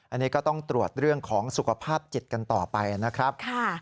อันนี้ก็ต้องตรวจเรื่องของสุขภาพจิตกันต่อไปนะครับ